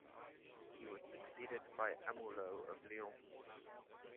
He was succeeded by Amulo of Lyons.